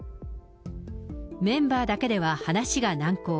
メンバーだけでは話が難航。